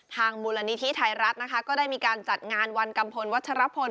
มูลนิธิไทยรัฐนะคะก็ได้มีการจัดงานวันกัมพลวัชรพล